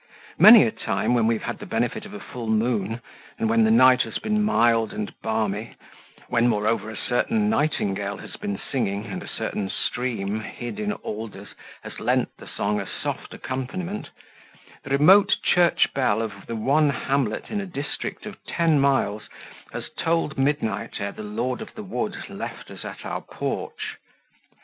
Many a time, when we have had the benefit of a full moon, and when the night has been mild and balmy, when, moreover, a certain nightingale has been singing, and a certain stream, hid in alders, has lent the song a soft accompaniment, the remote church bell of the one hamlet in a district of ten miles, has tolled midnight ere the lord of the wood left us at our porch.